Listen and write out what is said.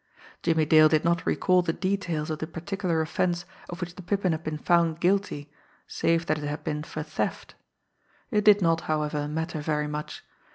Jimmie Dale did not recall the details of the particular offence of which the Pippin had been found guilty, save that it had been for theft. It did not, however, matter very much.